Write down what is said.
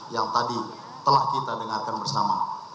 yang tadi telah kita dengarkan bersama